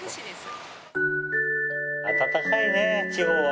温かいね地方は。